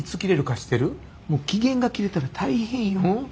もう期限が切れたら大変よ。